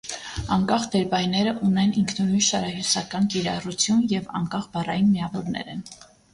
Անկախ դերբայները ունեն ինքնուրույն շարահյուսական կիրառություն և անկախ բառային միավորներ են։